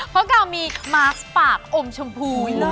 เพราะกาวมีมาร์คปากอมชมพู